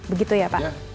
begitu ya pak